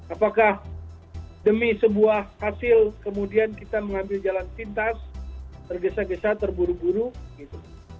apakah demi sebuah hasil kemudian kita mengambil jalan pintas tergesa gesa terburu buru gitu